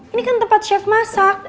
ini kan tempat chef masak